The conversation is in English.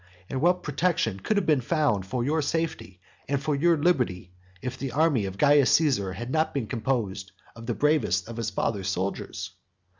And what protection could have been found for your safety and for your liberty if the army of Caius Caesar had not been composed of the bravest of his father's soldiers?